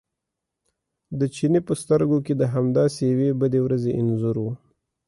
د چیني په سترګو کې د همداسې یوې بدې ورځې انځور و.